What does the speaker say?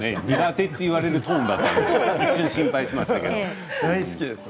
今、苦手といわれるトーンでした、一瞬心配しました。